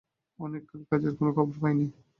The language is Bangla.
অনেক কাল কাজের কোন খবর পাইনি।